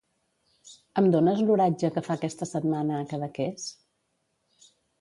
Em dones l'oratge que fa aquesta setmana a Cadaqués?